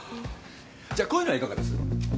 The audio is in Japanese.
じゃあこういうのはいかがです？